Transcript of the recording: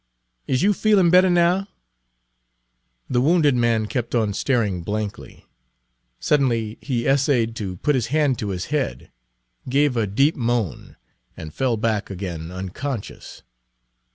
"Is you feelin' bettah now?" The wounded man kept on staring blankly. Suddenly he essayed to put his hand to his head, gave a deep groan, and fell back again unconscious.